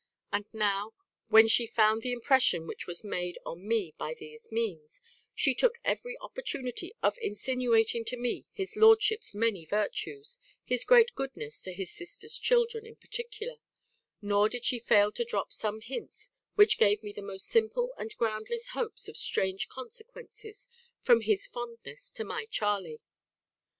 And now, when she found the impression which was made on me by these means, she took every opportunity of insinuating to me his lordship's many virtues, his great goodness to his sister's children in particular; nor did she fail to drop some hints which gave me the most simple and groundless hopes of strange consequences from his fondness to my Charley.